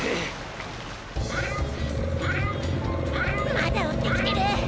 まだおってきてる！